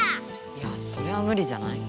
いやそれはムリじゃない？